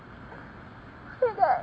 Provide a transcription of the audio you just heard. お願い。